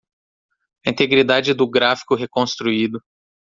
A integridade do gráfico reconstruído